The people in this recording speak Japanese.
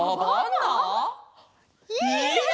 いいね！